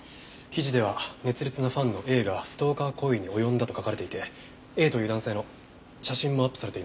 記事では熱烈なファンのＡがストーカー行為に及んだと書かれていてＡという男性の写真もアップされていました。